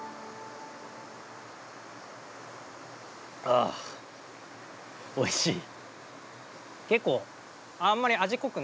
ああ、おいしい！